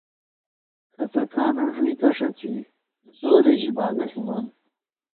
کھڅَکانہ ݫُوئیکہ ݭَڅی زورے ژی باگہ ݪِمان